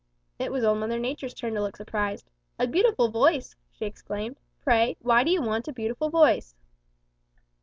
"It was Old Mother Nature's turn to look surprised. 'A beautiful voice!' she exclaimed. 'Pray, why do you want a beautiful voice?'